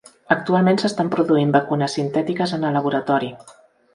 Actualment s'estan produint vacunes sintètiques en el laboratori.